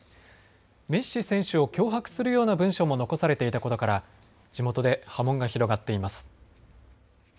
メッシ選手を脅迫するような文書も残されていたことから地元で波紋が広がっています。